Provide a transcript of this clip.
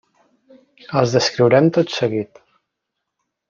Els descriurem tot seguit.